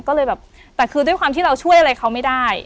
ก็เลยแบบแต่คือด้วยความที่เราช่วยอะไรเขาไม่ได้